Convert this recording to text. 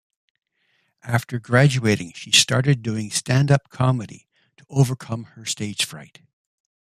After graduating she started doing stand-up comedy to overcome her stage-fright.